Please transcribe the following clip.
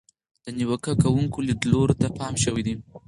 د نیوکه کوونکو لیدلورو ته پام شوی دی.